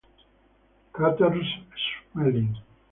Karsten Schmeling